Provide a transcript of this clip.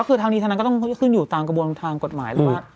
เขาได้ติดต่อนักคุณเ